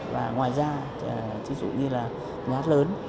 và ngoài ra thí dụ như là nhà hát lớn